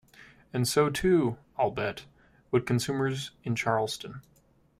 And so too, I'll bet, would consumers in Charleston.